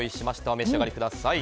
お召し上がりください。